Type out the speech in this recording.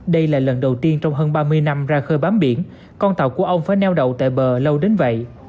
đây là lần đầu tiên trong hơn ba mươi năm ra khơi bám biển con tàu của ông phải neo đậu tại bờ lâu đến vậy